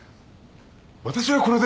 私はこれで。